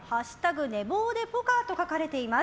「＃寝坊でポカ」と書かれています。